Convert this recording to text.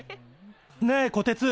ねえこてつニコ。